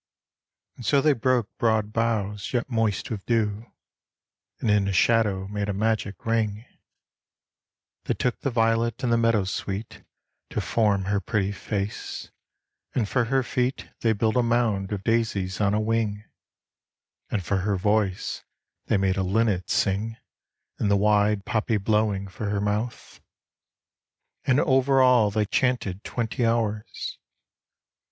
And so they broke broad boughs yet moist with dew, And in a shadow made a magic ring : They took the violet and the meadow sweet To form her pretty face, and for her feet They built a mound of daisies on a wing, And for her voice they made a linnet sing In the wide poppy blowing for her mouth. And over all they chanted twenty hours.